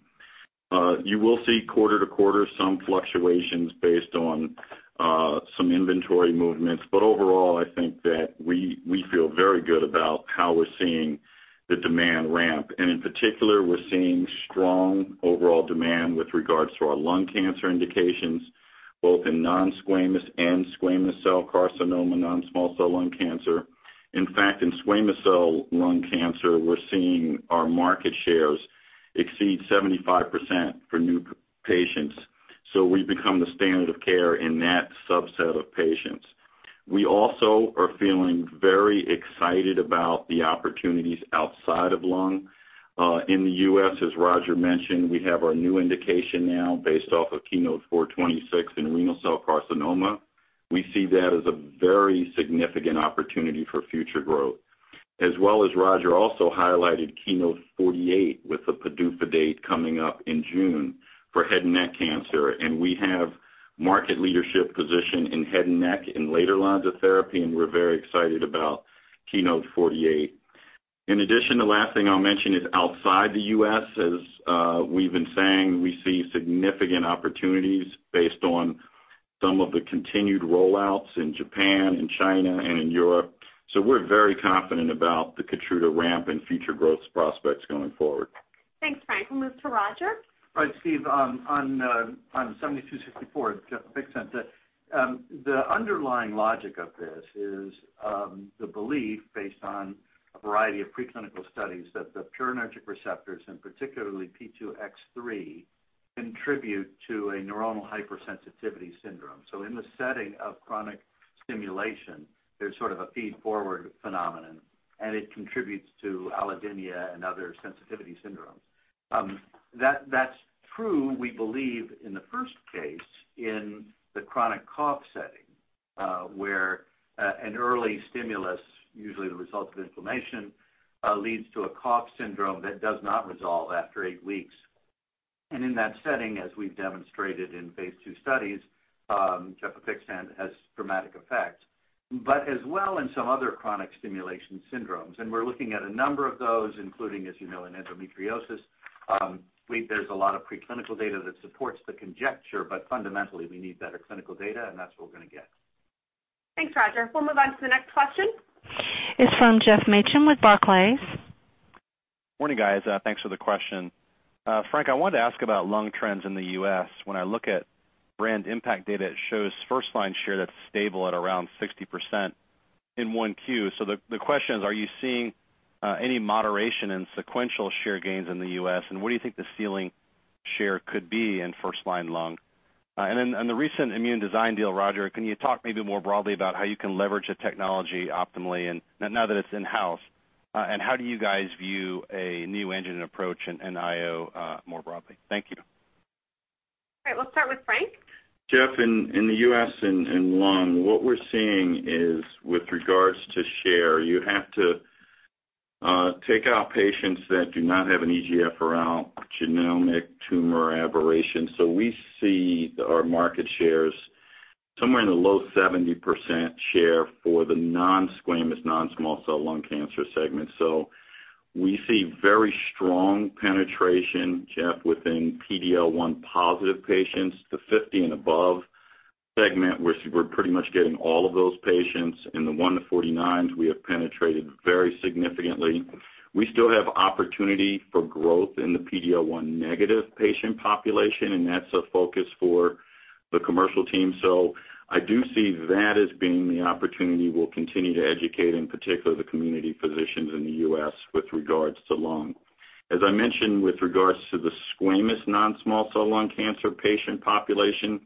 You will see quarter-to-quarter some fluctuations based on some inventory movements, but overall, I think that we feel very good about how we're seeing the demand ramp. In particular, we're seeing strong overall demand with regards to our lung cancer indications. Both in non-squamous and squamous cell carcinoma, non-small cell lung cancer. In fact, in squamous cell lung cancer, we're seeing our market shares exceed 75% for new patients. We've become the standard of care in that subset of patients. We also are feeling very excited about the opportunities outside of lung. In the U.S., as Roger mentioned, we have our new indication now based off of KEYNOTE-426 in renal cell carcinoma. We see that as a very significant opportunity for future growth. As well as Roger also highlighted KEYNOTE-048 with the PDUFA date coming up in June for head and neck cancer. We have market leadership position in head and neck in later lines of therapy, and we're very excited about KEYNOTE-048. In addition, the last thing I'll mention is outside the U.S., as we've been saying, we see significant opportunities based on some of the continued rollouts in Japan and China and in Europe. We're very confident about the KEYTRUDA ramp and future growth prospects going forward. Thanks, Frank. We'll move to Roger. Right, Steve, on 7264, gefapixant. The underlying logic of this is the belief based on a variety of preclinical studies that the purinergic receptors, and particularly P2X3, contribute to a neuronal hypersensitivity syndrome. In the setting of chronic stimulation, there's sort of a feedforward phenomenon, and it contributes to allodynia and other sensitivity syndromes. That's true, we believe, in the first case, in the chronic cough setting, where an early stimulus, usually the result of inflammation, leads to a cough syndrome that does not resolve after eight weeks. In that setting, as we've demonstrated in Phase II studies, gefapixant has dramatic effects. As well in some other chronic stimulation syndromes. We're looking at a number of those, including, as you know, in endometriosis. There's a lot of preclinical data that supports the conjecture, fundamentally, we need better clinical data, that's what we're going to get. Thanks, Roger. We'll move on to the next question. It's from Geoff Meacham with Barclays. Morning, guys. Thanks for the question. Frank, I wanted to ask about lung trends in the U.S. When I look at brand impact data, it shows first-line share that's stable at around 60% in 1Q. The question is, are you seeing any moderation in sequential share gains in the U.S.? What do you think the ceiling share could be in first-line lung? On the recent Immune Design deal, Roger, can you talk maybe more broadly about how you can leverage the technology optimally now that it's in-house? How do you guys view a new engine approach in IO more broadly? Thank you. All right. We'll start with Frank. Geoff, in the U.S. in lung, what we're seeing is with regards to share, you have to take out patients that do not have an EGFR or ALK genomic tumor aberration. We see our market shares somewhere in the low 70% share for the non-squamous, non-small cell lung cancer segment. We see very strong penetration, Geoff, within PD-L1 positive patients to 50 and above segment. We're pretty much getting all of those patients. In the one to 49s, we have penetrated very significantly. We still have opportunity for growth in the PD-L1 negative patient population, that's a focus for the commercial team. I do see that as being the opportunity. We'll continue to educate, in particular, the community physicians in the U.S. with regards to lung. As I mentioned, with regards to the squamous non-small cell lung cancer patient population,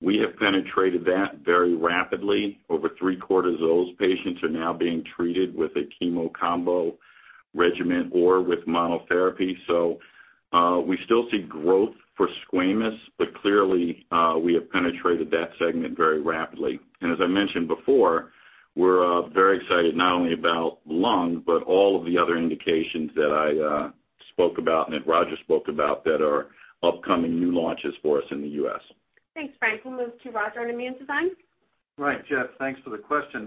we have penetrated that very rapidly. Over three-quarters of those patients are now being treated with a chemo combo regimen or with monotherapy. We still see growth for squamous, but clearly, we have penetrated that segment very rapidly. As I mentioned before, we're very excited not only about lung, but all of the other indications that I spoke about and that Roger spoke about that are upcoming new launches for us in the U.S. Thanks, Frank. We'll move to Roger on Immune Design. Right, Geoff. Thanks for the question.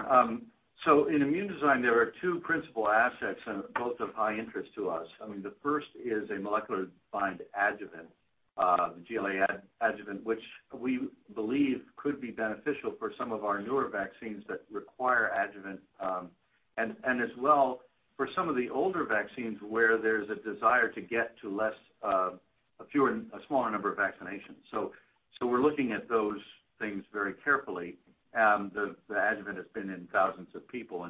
In Immune Design, there are two principal assets and both of high interest to us. The first is a molecular-defined adjuvant, the GLA adjuvant, which we believe could be beneficial for some of our newer vaccines that require adjuvant, and as well for some of the older vaccines where there's a desire to get to a fewer and a smaller number of vaccinations. We're looking at those things very carefully. The adjuvant has been in thousands of people,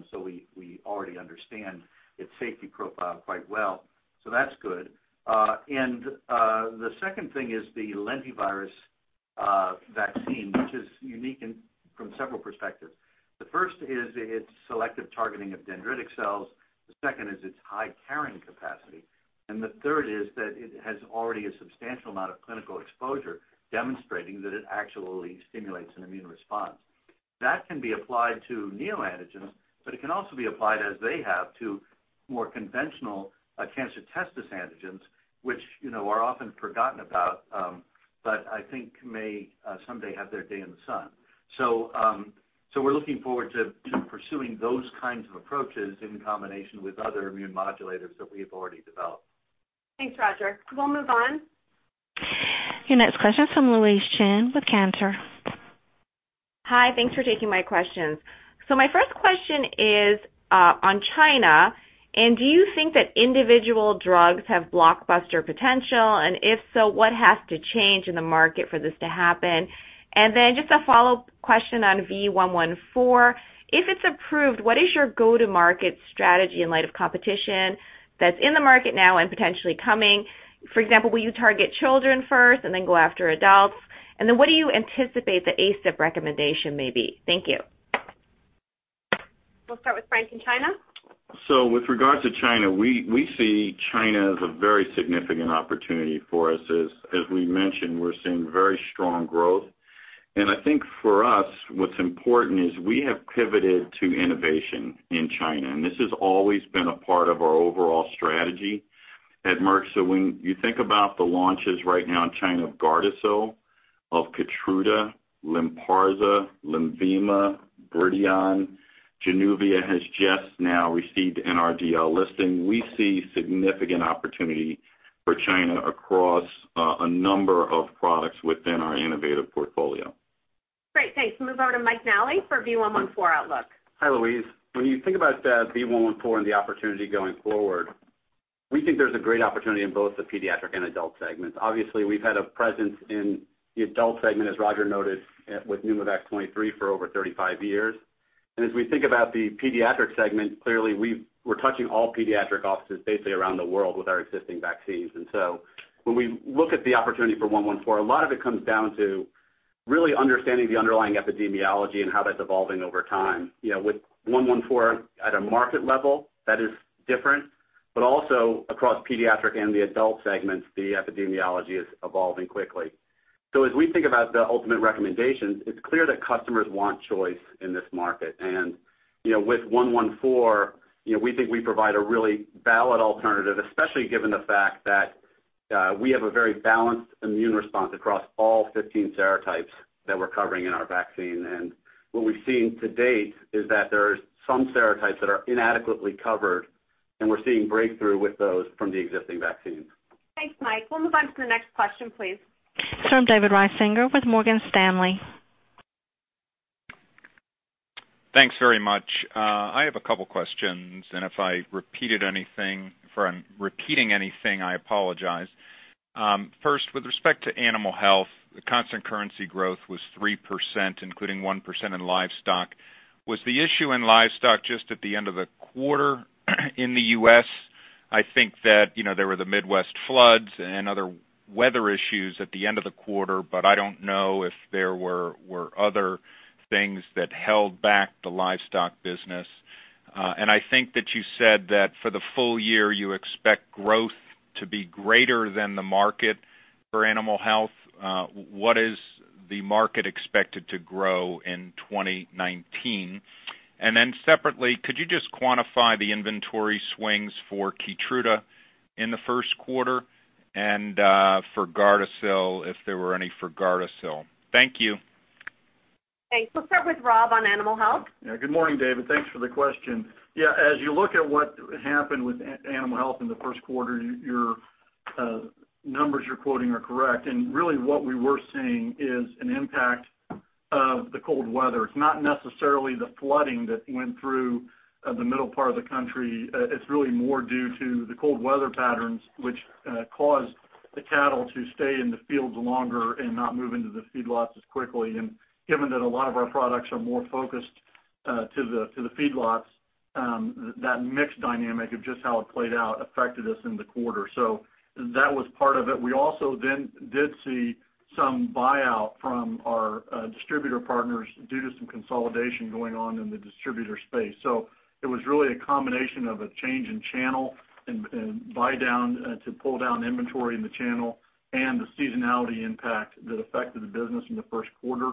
We already understand its safety profile quite well. That's good. The second thing is the lentivirus vaccine, which is unique from several perspectives. The first is its selective targeting of dendritic cells. The second is its high carrying capacity. The third is that it has already a substantial amount of clinical exposure demonstrating that it actually stimulates an immune response. That can be applied to neoantigens, but it can also be applied as they have to more conventional cancer testis antigens, which are often forgotten about but I think may someday have their day in the sun. We're looking forward to pursuing those kinds of approaches in combination with other immune modulators that we have already developed. Thanks, Roger. We'll move on. Your next question is from Louise Chen with Cantor. Hi, thanks for taking my questions. My first question is on China, do you think that individual drugs have blockbuster potential? If so, what has to change in the market for this to happen? Just a follow-up question on V114. If it's approved, what is your go-to-market strategy in light of competition that's in the market now and potentially coming? For example, will you target children first and then go after adults? What do you anticipate the ACIP recommendation may be? Thank you. We'll start with Frank in China. With regards to China, we see China as a very significant opportunity for us. As we mentioned, we're seeing very strong growth. I think for us, what's important is we have pivoted to innovation in China, and this has always been a part of our overall strategy at Merck. When you think about the launches right now in China of GARDASIL, of KEYTRUDA, LYNPARZA, LENVIMA, Brintellix, JANUVIA has just now received an NRDL listing. We see significant opportunity for China across a number of products within our innovative portfolio. Great. Thanks. Move over to Michael Nally for V114 outlook. Hi, Louise. When you think about V114 and the opportunity going forward, we think there's a great opportunity in both the pediatric and adult segments. Obviously, we've had a presence in the adult segment, as Roger noted, with PNEUMOVAX 23 for over 35 years. As we think about the pediatric segment, clearly, we're touching all pediatric offices basically around the world with our existing vaccines. When we look at the opportunity for V114, a lot of it comes down to really understanding the underlying epidemiology and how that's evolving over time. With V114 at a market level, that is different, but also across pediatric and the adult segments, the epidemiology is evolving quickly. As we think about the ultimate recommendations, it's clear that customers want choice in this market. With V114, we think we provide a really valid alternative, especially given the fact that we have a very balanced immune response across all 15 serotypes that we're covering in our vaccine. What we've seen to date is that there are some serotypes that are inadequately covered, and we're seeing breakthrough with those from the existing vaccines. Thanks, Michael Nally. We'll move on to the next question, please. From David Risinger with Morgan Stanley. Thanks very much. If I repeated anything, or I'm repeating anything, I apologize. First, with respect to animal health, the constant currency growth was 3%, including 1% in livestock. Was the issue in livestock just at the end of the quarter in the U.S.? I think that there were the Midwest floods and other weather issues at the end of the quarter, I don't know if there were other things that held back the livestock business. I think that you said that for the full year, you expect growth to be greater than the market for animal health. What is the market expected to grow in 2019? Separately, could you just quantify the inventory swings for KEYTRUDA in the first quarter and for GARDASIL, if there were any for GARDASIL? Thank you. Thanks. We'll start with Robert M. Davis on animal health. Good morning, David. Thanks for the question. As you look at what happened with animal health in the first quarter, your numbers you're quoting are correct. Really what we were seeing is an impact of the cold weather. It's not necessarily the flooding that went through the middle part of the country. It's really more due to the cold weather patterns, which caused the cattle to stay in the fields longer and not move into the feedlots as quickly. Given that a lot of our products are more focused to the feedlots, that mix dynamic of just how it played out affected us in the quarter. That was part of it. We also then did see some buyout from our distributor partners due to some consolidation going on in the distributor space. It was really a combination of a change in channel and buy-down to pull down inventory in the channel and the seasonality impact that affected the business in the first quarter.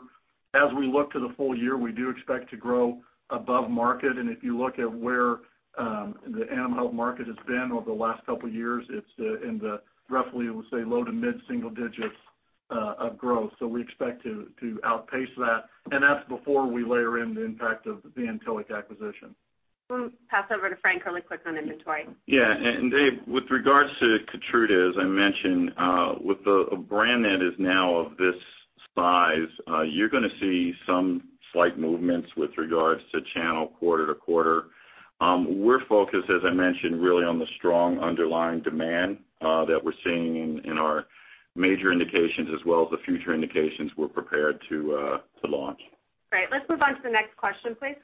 As we look to the full year, we do expect to grow above market, and if you look at where the animal health market has been over the last couple of years, it's in the roughly, we'll say, low to mid-single digits of growth. We expect to outpace that, and that's before we layer in the impact of the Antelliq acquisition. We'll pass over to Frank really quick on inventory. Dave, with regards to KEYTRUDA, as I mentioned, with a brand that is now of this size, you're going to see some slight movements with regards to channel quarter to quarter. We're focused, as I mentioned, really on the strong underlying demand that we're seeing in our major indications as well as the future indications we're prepared to launch. Great. Let's move on to the next question, please.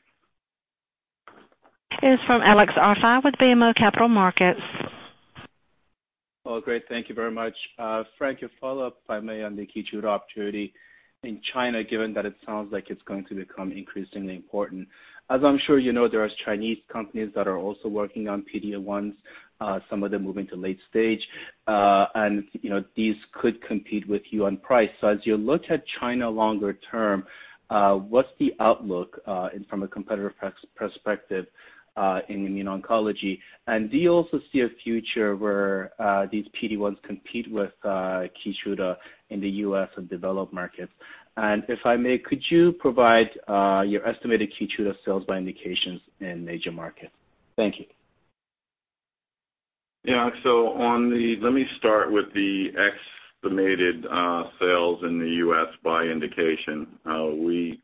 It is from Alex Arfaei with BMO Capital Markets. Well, great. Thank you very much. Frank, a follow-up, if I may, on the KEYTRUDA opportunity in China, given that it sounds like it's going to become increasingly important. As I'm sure you know, there are Chinese companies that are also working on PD-1s, some of them moving to late stage, and these could compete with you on price. As you look at China longer term, what's the outlook from a competitive perspective in immune oncology? Do you also see a future where these PD-1s compete with KEYTRUDA in the U.S. and developed markets? If I may, could you provide your estimated KEYTRUDA sales by indications in major markets? Thank you. Yeah. Let me start with the estimated sales in the U.S. by indication. We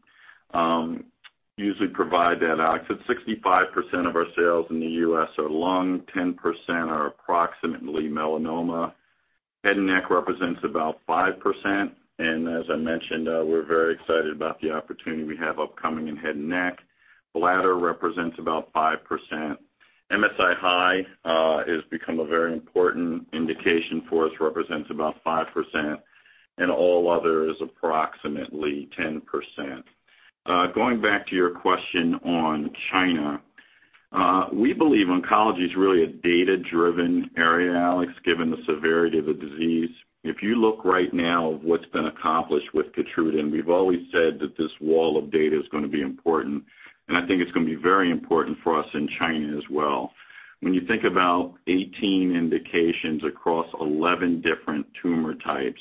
usually provide that, Alex. At 65% of our sales in the U.S. are lung, 10% are approximately melanoma. Head and neck represents about 5%. As I mentioned, we're very excited about the opportunity we have upcoming in head and neck. Bladder represents about 5%. MSI-H has become a very important indication for us, represents about 5%, and all other is approximately 10%. Going back to your question on China, we believe oncology is really a data-driven area, Alex, given the severity of the disease. If you look right now of what's been accomplished with KEYTRUDA, we've always said that this wall of data is going to be important, and I think it's going to be very important for us in China as well. When you think about 18 indications across 11 different tumor types,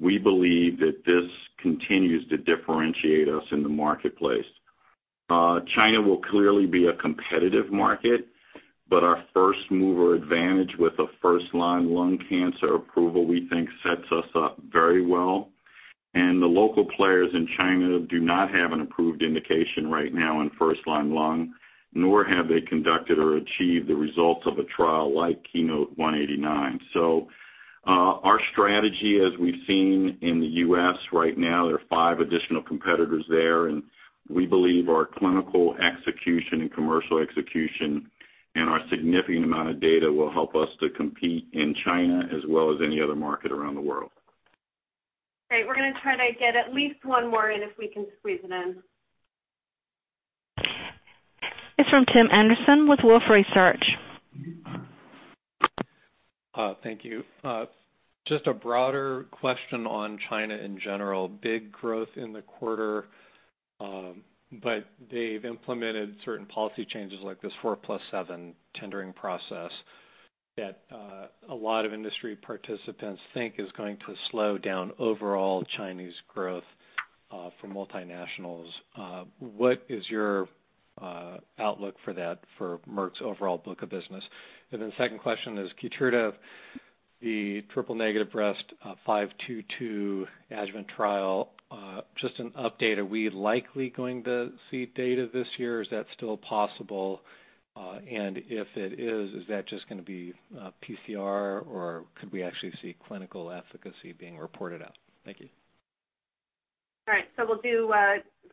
we believe that this continues to differentiate us in the marketplace. China will clearly be a competitive market, but our first-mover advantage with a first-line lung cancer approval, we think sets us up very well. The local players in China do not have an approved indication right now in first-line lung, nor have they conducted or achieved the results of a trial like KEYNOTE-189. Our strategy, as we've seen in the U.S. right now, there are five additional competitors there, and we believe our clinical execution and commercial execution and our significant amount of data will help us to compete in China as well as any other market around the world. Great. We're going to try to get at least one more in, if we can squeeze it in. It's from Tim Anderson with Wolfe Research. Thank you. Just a broader question on China in general. Big growth in the quarter, but they've implemented certain policy changes like this 4+7 tendering process that a lot of industry participants think is going to slow down overall Chinese growth for multinationals. What is your outlook for that for Merck's overall book of business? Second question is KEYTRUDA, the triple-negative breast KEYNOTE-522 adjuvant trial, just an update. Are we likely going to see data this year? Is that still possible? If it is that just going to be pCR, or could we actually see clinical efficacy being reported out? Thank you. All right, we'll do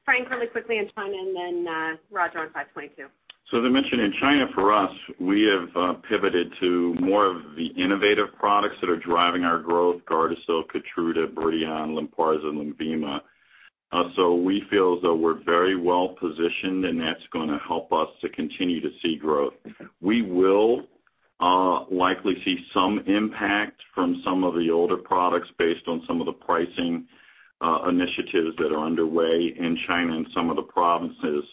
Frank really quickly on China and then Roger on KEYNOTE-522. As I mentioned, in China, for us, we have pivoted to more of the innovative products that are driving our growth, GARDASIL, KEYTRUDA, BRIDION, LYNPARZA, LENVIMA. We feel as though we're very well-positioned, and that's going to help us to continue to see growth. We will likely see some impact from some of the older products based on some of the pricing initiatives that are underway in China in some of the provinces.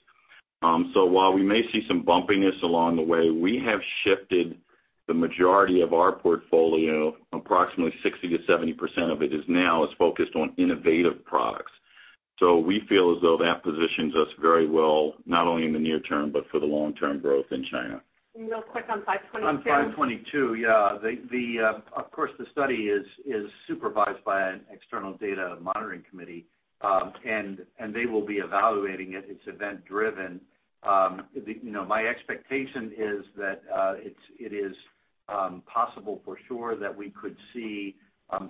While we may see some bumpiness along the way, we have shifted the majority of our portfolio. Approximately 60%-70% of it is now is focused on innovative products. We feel as though that positions us very well, not only in the near term, but for the long-term growth in China. Real quick on KEYNOTE-522. On KEYNOTE-522, yeah. Of course, the study is supervised by an external data monitoring committee, and they will be evaluating it. It's event-driven. My expectation is that it is possible for sure that we could see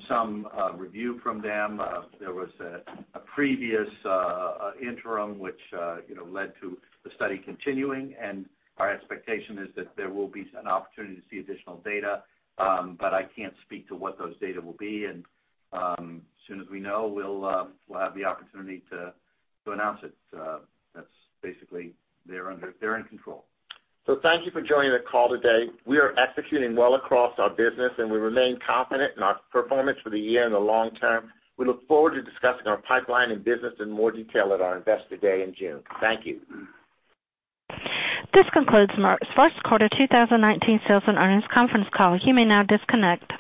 some review from them. There was a previous interim which led to the study continuing, and our expectation is that there will be an opportunity to see additional data, but I can't speak to what those data will be. As soon as we know, we'll have the opportunity to announce it. That's basically, they're in control. Thank you for joining the call today. We are executing well across our business, and we remain confident in our performance for the year and the long term. We look forward to discussing our pipeline and business in more detail at our Investor Day in June. Thank you. This concludes Merck's first quarter 2019 sales and earnings conference call. You may now disconnect.